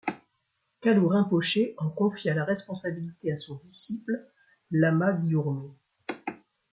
Kalou Rinpoché en confia la responsabilité à son disciple Lama Gyourmé.